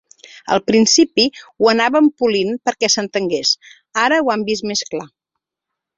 Al principi ho anàvem polint perquè s’entengués, ara ho han vist més clar.